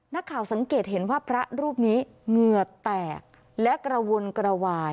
นักข่าวสังเกตเห็นว่าพระรูปนี้เหงื่อแตกและกระวนกระวาย